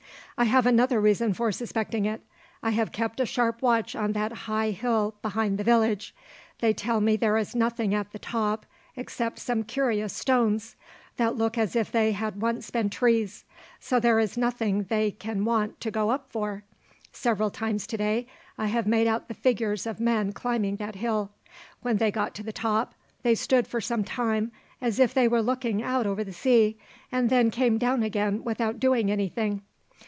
"I have another reason for suspecting it. I have kept a sharp watch on that high hill behind the village; they tell me there is nothing at the top except some curious stones, that look as if they had once been trees, so there is nothing they can want to go up for. Several times today I have made out the figures of men climbing that hill. When they got to the top they stood for some time as if they were looking out over the sea, and then came down again without doing anything.